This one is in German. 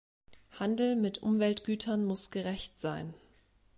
Handel mit Umweltgütern muss gerecht sein.